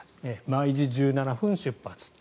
毎時１７分出発。